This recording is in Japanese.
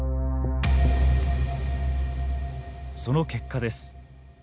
その結果です。